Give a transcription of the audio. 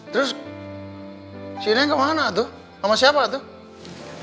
terus si neng kemana tuh sama siapa tuh